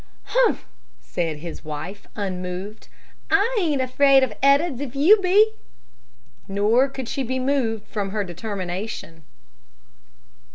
"Humph!" said his wife, unmoved. "I ain't afraid of Ed'ards, if you be." Nor could she be moved from her determination.